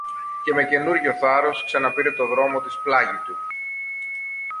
Και με καινούριο θάρρος ξαναπήρε το δρόμο της πλάγι του.